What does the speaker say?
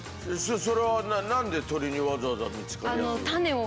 それは何で鳥にわざわざ見つかりやすいように。